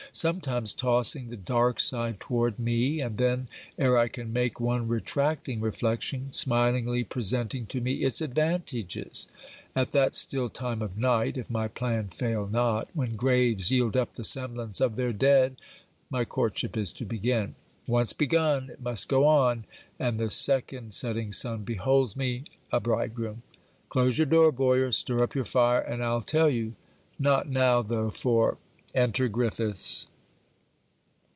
Sometimes tossing the dark side toward me; and then, ere I can make one retracting reflection, smilingly presenting to me its advantages. At that still time of night (if my plan fail not) when graves yield up the semblance of their dead, my courtship is to begin. Once begun, it must go on; and the second setting sun beholds me a bridegroom. Close your door, Boyer; stir up your fire; and I'll tell you. Not now though, for enter Griffiths.